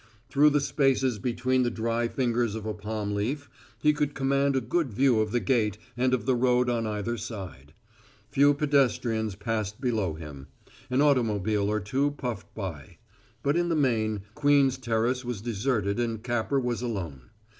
Through the spaces between the dry fingers of a palm leaf he could command a good view of the gate and of the road on either side. Few pedestrians passed below him; an automobile or two puffed by; but in the main, Queen's Terrace was deserted and Capper was alone.